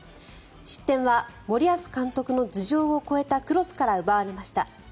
失点は森保監督の頭上を越えたクロスから奪われました。